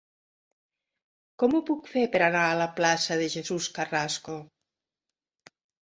Com ho puc fer per anar a la plaça de Jesús Carrasco?